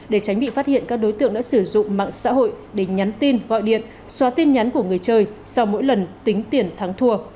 để tránh bị phát hiện các đối tượng đã sử dụng mạng xã hội để nhắn tin gọi điện xóa tin nhắn của người chơi sau mỗi lần tính tiền thắng thua